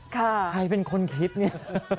ใครเป็นคนคิดเนี่ย